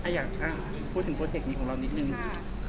อยากพูดถึงโปรเจกต์นี้ของเรานิดนึง